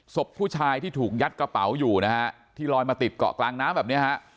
ศพผู้ชายที่ถูกยัดกระเป๋าอยู่นะฮะที่ลอยมาติดเกาะกลางน้ำแบบเนี้ยฮะ